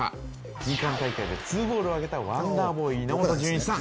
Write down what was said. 日韓大会で２ゴールを挙げたワンダーボーイ・稲本潤一さん